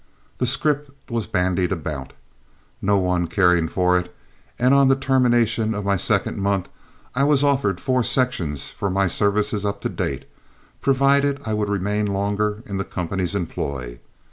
The scrip was bandied about, no one caring for it, and on the termination of my second month I was offered four sections for my services up to date, provided I would remain longer in the company's employ.